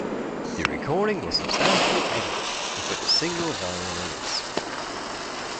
The recording was substantially edited to fit a single vinyl release.